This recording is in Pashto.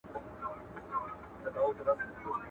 قام به راټول سي، پاچاخان او صمد خان به نه وي.